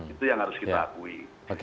itu yang harus kita akui